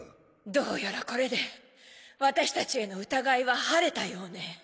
どうやらこれで私たちへの疑いは晴れたようね。